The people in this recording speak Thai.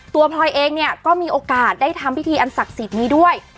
พลอยเองเนี่ยก็มีโอกาสได้ทำพิธีอันศักดิ์สิทธิ์นี้ด้วย